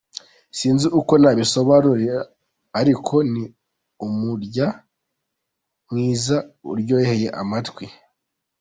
Sinzi uko nabisobanura ariko ni umurya mwiza uryoheye amatwi.